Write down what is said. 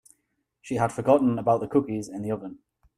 She had forgotten about the cookies in the oven.